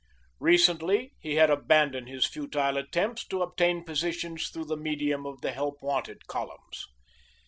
Recently he had abandoned his futile attempts to obtain positions through the medium of the Help Wanted columns.